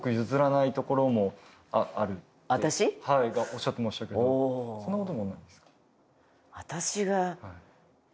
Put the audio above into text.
おっしゃってましたけどそんな事もないですか？